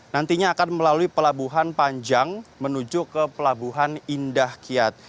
nantinya akan melalui pelabuhan panjang menuju ke pelabuhan indah kiat